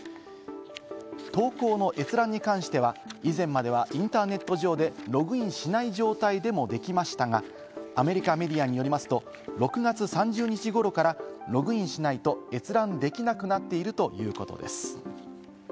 投稿の閲覧に関しては、以前まではインターネット上でログインしない状態でもできましたが、アメリカメディアによりますと、６月３０日頃からログインしないと閲覧できなくなっているということです。